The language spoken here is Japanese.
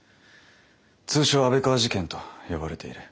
通称安倍川事件と呼ばれている。